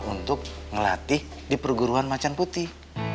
untuk ngelatih di perguruan macan putih